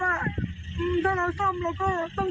ห้าง